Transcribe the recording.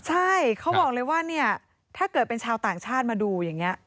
ใช่เขาบอกเลยว่าเนี่ยถ้าเกิดเป็นชาวต่างชาติมาดูอย่างนี้